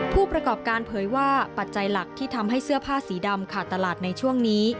ผู้ประกอบการเผยว่าปัจจัยหลักที่ทำให้เสื้อผ้าสีดำขาดตลาดในช่วงนี้